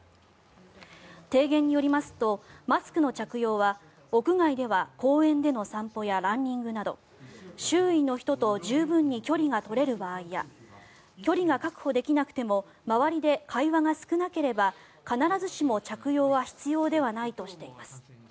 提言によりますとマスクの着用は屋外では公園での散歩やランニングなど周囲の人と十分に距離が取れる場合や距離が確保できなくても周りで会話が少なければ必ずしも着用は必要ではないとしています。